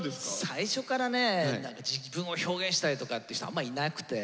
最初からね自分を表現したいとかって人あんまいなくて。